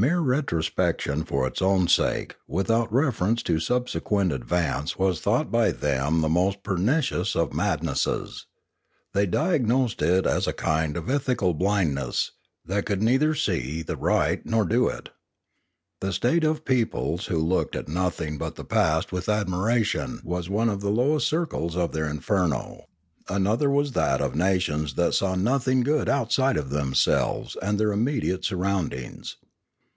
Mere retrospection for its own sake without reference to subsequent ad vance was thought by them the most pernicious of 426 Limanora madnesses; they diagnosed it as a kind of ethical blind ness, that could neither see the right nor do it. The state of peoples who looked at nothing but the past with admiration was one of the lowest circles of their inferno; another was that of nations that saw nothing good outside of themselves and their immediate sur roundings.